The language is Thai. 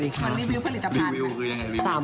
รีวิวคือยังไง